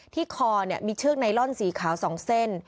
ที่คอมีเชือกไนลอนสีขาว๒เส้น